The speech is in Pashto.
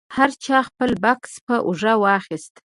هر چا خپل بکس په اوږه واخیست.